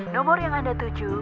nomor yang anda tuju